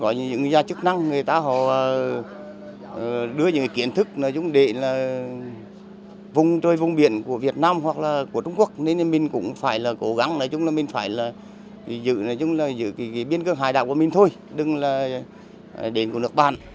có những gia chức năng đưa những kiến thức về vùng biển của việt nam hoặc trung quốc nên mình cũng phải cố gắng mình phải giữ biên cơ hải đạo của mình thôi đừng là đến của nước bạn